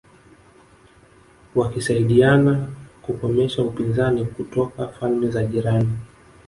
wakisaidiana kukomesha upinzani kutoka falme za jirani